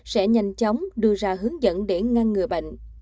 sẽ nhanh chóng đưa ra hướng dẫn để ngăn ngừa bệnh